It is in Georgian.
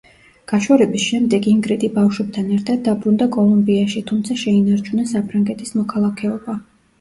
გაშორების შემდეგ ინგრიდი ბავშვებთან ერთად დაბრუნდა კოლუმბიაში, თუმცა შეინარჩუნა საფრანგეთის მოქალაქეობა.